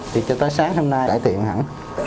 thì cho tới sáng hôm nay cải thiện hẳn